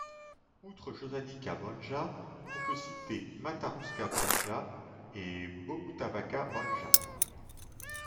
Outre Jošanička Banja, on peut citer Mataruška Banja et Bogutovačka Banja.